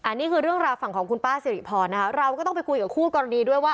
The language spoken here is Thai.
อันนี้คือเรื่องราวฝั่งของคุณป้าสิริพรนะคะเราก็ต้องไปคุยกับคู่กรณีด้วยว่า